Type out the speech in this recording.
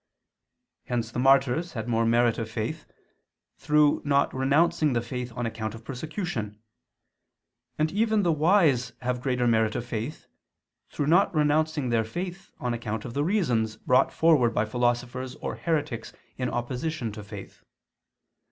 Hence the martyrs had more merit of faith, through not renouncing faith on account of persecution; and even the wise have greater merit of faith, through not renouncing their faith on account of the reasons brought forward by philosophers or heretics in opposition to faith.